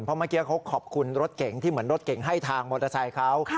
เพราะเมื่อกี้เขาขอบคุณรถเก่งที่เหมือนรถเก่งให้ทางมอเตอร์ไซค์เขา